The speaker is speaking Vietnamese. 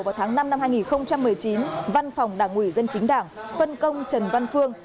vào tháng năm năm hai nghìn một mươi chín văn phòng đảng ủy dân chính đảng phân công trần văn phương